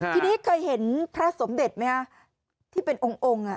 ทีนี้เคยเห็นพระสมเด็จไหมฮะที่เป็นองค์